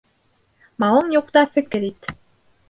Малың юҡта фекер ит.